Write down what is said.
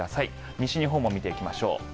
西日本も見ていきましょう。